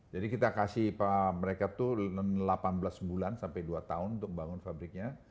jadi kita kasih mereka tuh delapan belas bulan sampai dua tahun untuk membangun pabriknya